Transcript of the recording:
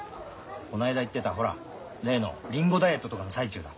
こないだ言ってたほら例のリンゴダイエットとかの最中だ。